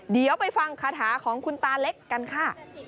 เดี๋ยวไปฟังคาถาของคุณตาเล็กกันค่ะ